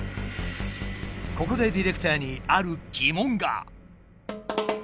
ここでディレクターにある疑問が。